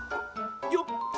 よっ！